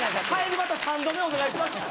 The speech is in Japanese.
また３度目お願いします。